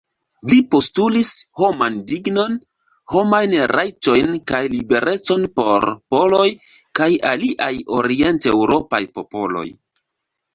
Li postulis homan dignon, homajn rajtojn kaj liberecon por poloj kaj aliaj orienteŭropaj popoloj.